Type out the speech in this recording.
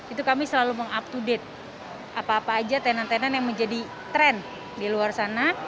itu kami selalu mengup to date apa apa aja tenan tenan yang menjadi tren di luar sana